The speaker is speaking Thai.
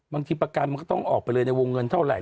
ประกันมันก็ต้องออกไปเลยในวงเงินเท่าไหร